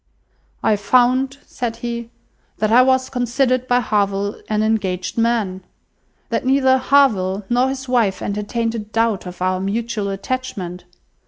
"I found," said he, "that I was considered by Harville an engaged man! That neither Harville nor his wife entertained a doubt of our mutual attachment.